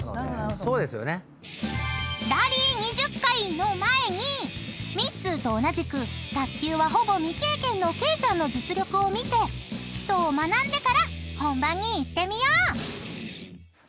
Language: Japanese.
［ラリー２０回の前にミッツーと同じく卓球はほぼ未経験のケイちゃんの実力を見て基礎を学んでから本番にいってみよう］